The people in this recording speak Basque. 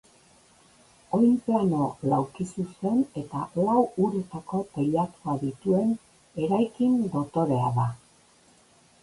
Oinplano laukizuzen eta lau uretako teilatua dituen eraikin dotorea da.